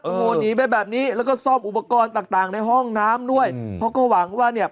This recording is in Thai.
โอ้โหหนีไปแบบนี้แล้วก็ซ่อมอุปกรณ์ต่างต่างในห้องน้ำด้วยเขาก็หวังว่าเนี่ย